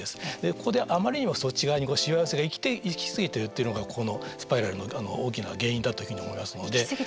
ここで、あまりにもそっち側にしわ寄せがいき過ぎているというのがこのスパイラルの大きな原因だというふうに思いますので。